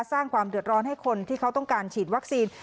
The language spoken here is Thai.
สร้างความเดือดร้อนให้คนที่เขาต้องการฉีดวัคซีน